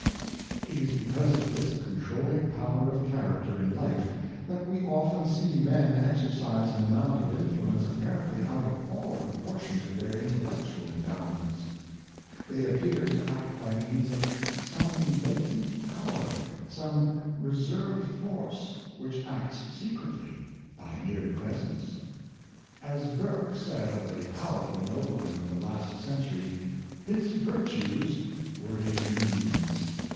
It is because of this controlling power of character in Injlue7ice of Character, 67 life that we often see men exercise an amount of influ ence apparently out of all proportion to their intellect ual endowments. They appear to act by means of some latent power, some reserved force, which acts se cretly, by mere presence. As Burke said of a powerful nobleman of the last century, " his virtues were his means."